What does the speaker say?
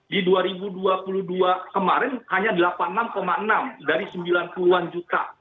di dua ribu dua puluh dua kemarin hanya delapan puluh enam enam dari sembilan puluh an juta